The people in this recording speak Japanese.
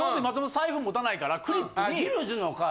財布持たないからクリップに。